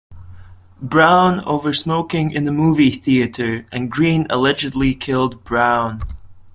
Brown over smoking in the movie theater, and Green allegedly killed Brown.